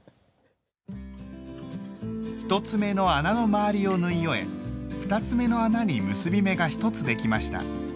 １つ目の穴の周りを縫い終え２つ目の穴に結び目が一つできました。